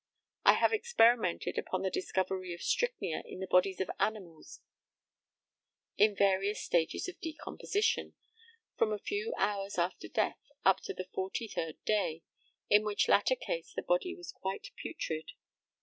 I have experimented upon the discovery of strychnia in the bodies of animals in various stages of decomposition, from a few hours after death up to the forty third day, in which latter case the body was quite putrid.